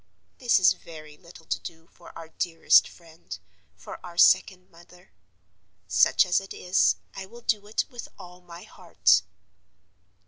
This is very little to do for our dearest friend, for our second mother. Such as it is, I will do it with all my heart.